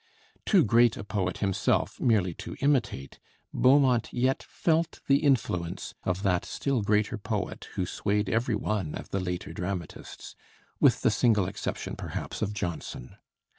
Too great a poet himself merely to imitate, Beaumont yet felt the influence of that still greater poet who swayed every one of the later dramatists, with the single exception perhaps of Jonson.